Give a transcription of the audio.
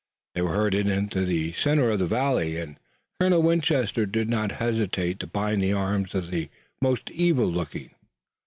They were herded in the center of the valley, and Colonel Winchester did not hesitate to bind the arms of the most evil looking.